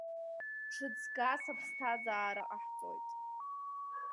Ҿыҵгас аԥсҭазаара ҟаҳҵоит.